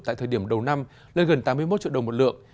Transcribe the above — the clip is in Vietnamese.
tại thời điểm đầu năm lên gần tám mươi một triệu đồng một lượng